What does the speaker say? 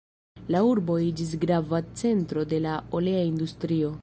La urbo iĝis grava centro de la olea industrio.